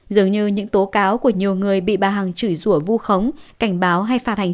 dường như những tố cáo của nhiều người bị bà hằng chửi rụa vu khống cảnh báo hay phạt hành